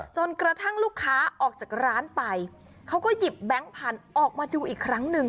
จนกระทั่งลูกค้าออกจากร้านไปเขาก็หยิบแบงค์พันธุ์ออกมาดูอีกครั้งหนึ่ง